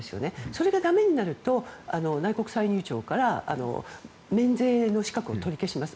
それがだめになると内国歳入庁から免税の資格を取り消します。